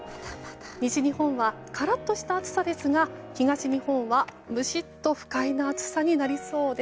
西日本はカラッとした暑さですが東日本はムシッと不快な暑さになりそうです。